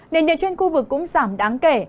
nền nhiệt trên khu vực cũng giảm đáng kể